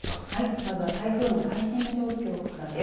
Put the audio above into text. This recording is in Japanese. まずは台風の最新状況からです。